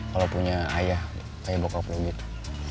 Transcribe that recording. kalau punya ayah kayak bokap lo gitu